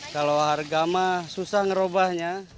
kalau harga mah susah ngerobahnya